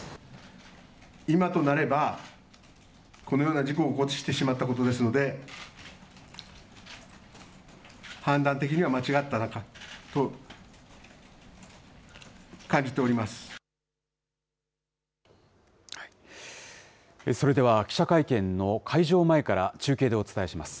今となれば、このような事故を起こしてしまったことですので、判断的には間違ったなと感じております。